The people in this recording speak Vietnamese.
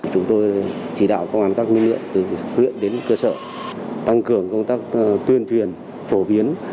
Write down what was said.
chúng tôi chỉ đạo công an các lực lượng từ huyện đến cơ sở tăng cường công tác tuyên truyền phổ biến